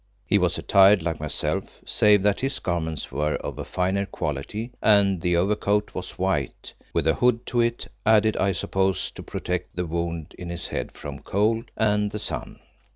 He was attired like myself, save that his garments were of a finer quality, and the overcoat was white, with a hood to it, added, I suppose, to protect the wound in his head from cold and the sun.